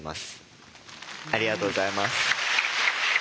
ありがとうございます。